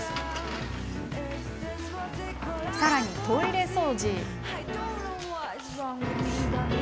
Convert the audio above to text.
さらに、トイレ掃除です。